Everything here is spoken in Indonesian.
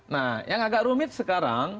nah yang agak rumit sekarang